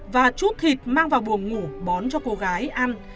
và chút thịt mang vào buồng ngủ bón cho cô gái ăn